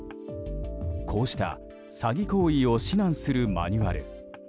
こうした詐欺行為を指南するマニュアル。